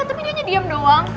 tapi dia hanya diem doang